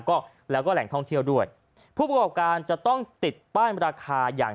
ก็แล้วก็แหล่งท่องเที่ยวด้วยผู้ประกอบการจะต้องติดป้ายราคาอย่าง